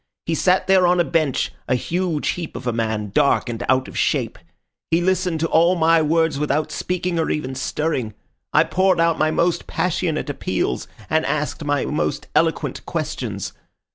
He sat there on a bench, a huge heap of a man, dark and out of shape. He listened to all my words without speaking or even stirring. I poured out my most passionate appeals, and asked my most eloquent questions.